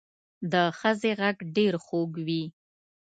د ښځې غږ ډېر خوږ وي